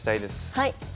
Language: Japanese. はい！